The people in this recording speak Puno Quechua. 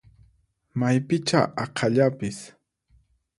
Maypichá aqhallapis!